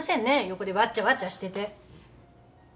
横でわっちゃわっちゃしてて。